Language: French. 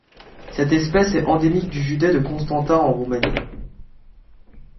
Cette espèce est endémique du județ de Constanța en Roumanie.